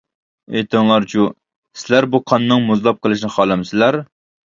ئېيتىڭلارچۇ، سىلەر بۇ قاننىڭ مۇزلاپ قېلىشىنى خالامسىلەر؟ !